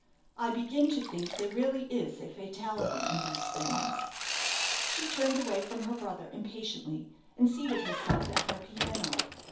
I begin to think there really is a fatality in these things." She turned away from her brother impatiently, and seated herself at her piano.